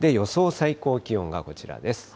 最高気温がこちらです。